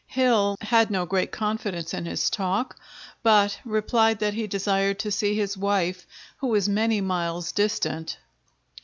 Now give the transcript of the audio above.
Hill "had no great confidence in his talk," but replied that he desired to see his wife who was many miles distant.